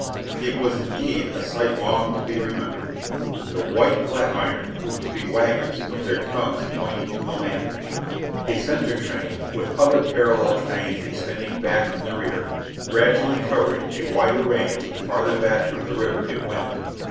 It was indeed a sight long to be remembered. The "white flatiron" proved to be wagons with their tongues pointing to the landing. A center train with other parallel trains extended back in the rear, gradually covering a wider range the farther back from the river it went.